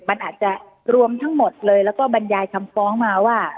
มันอาจจะรวมทั้งหมดเลยแล้วก็บรรยายคำฟ้องมาว่า